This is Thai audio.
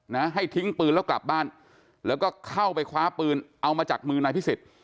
นะให้ทิ้งปืนแล้วกลับบ้านแล้วก็เข้าไปคว้าปืนเอามาจากมือนายพิสิทธิ